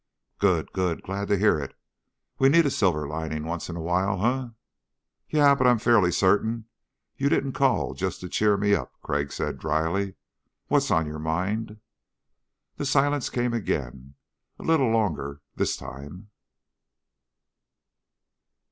"Good, good, glad to hear it. We need a silver lining once in a while, eh?" "Yeah, but I'm fairly certain you didn't call just to cheer me up," Crag said dryly. "What's on your mind?" The silence came again, a little longer this time.